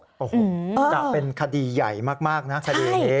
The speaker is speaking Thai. โอ้โหจะเป็นคดีใหญ่มากนะคดีนี้